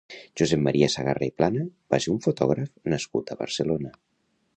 Josep Maria Sagarra i Plana va ser un fotògraf nascut a Barcelona.